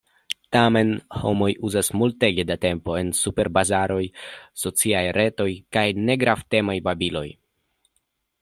Tamen, homoj uzas multege da tempo en superbazaroj, sociaj retoj, kaj negravtemaj babiloj.